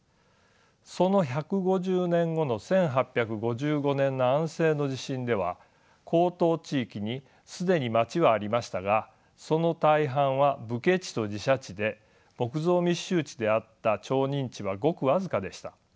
その１５０年後の１８５５年の安政の地震では江東地域に既に町はありましたがその大半は武家地と寺社地で木造密集地であった町人地はごく僅かでした。